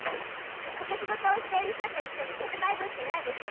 かくしごとをしている人といっしょに戦えるわけないでしょ。